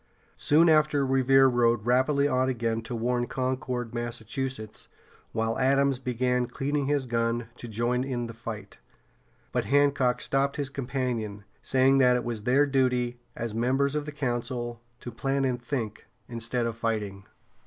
Soon after Revere rode rapidly on again to warn Concord, Massachusetts, while Adams began cleaning his gun to join in the fight. But Hancock stopped his companion, saying that it was their duty, as members of the Council, to plan and think, instead of fighting.